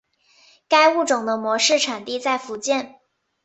该物种的模式产地在福建。